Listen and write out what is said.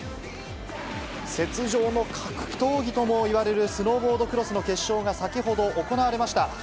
雪上の格闘技ともいわれるスノーボードクロスの決勝が先ほど行われました。